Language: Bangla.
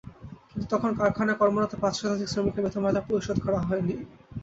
কিন্তু তখন কারখানায় কর্মরত পাঁচ শতাধিক শ্রমিকের বেতন-ভাতা পরিশোধ করা হয়নি।